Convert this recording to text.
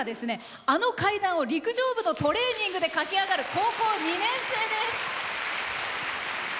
次は陸上部のトレーニングで駆け上がる高校２年生です。